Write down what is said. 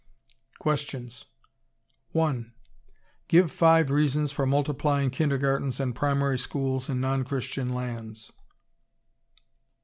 QUESTIONS 1. Give five reasons for multiplying kindergartens and primary schools in non Christian lands.